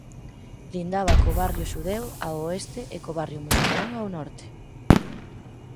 Lindaba co barrio xudeu ao oeste e co barrio musulmán ao norte.